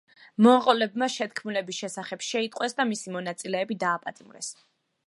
მონღოლებმა შეთქმულების შესახებ შეიტყვეს და მისი მონაწილეები დააპატიმრეს.